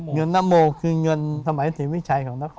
เงินนาโมคือเงินสมัยแตีวิชัยของนคร